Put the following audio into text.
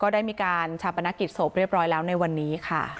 ได้มีการชับประณกิษฐพแล้วในวันนี้